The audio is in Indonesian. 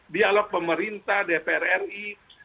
dialog pemerintah dpr ri